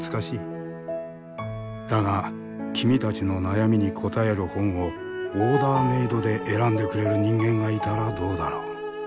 だが君たちの悩みに答える本をオーダーメードで選んでくれる人間がいたらどうだろう？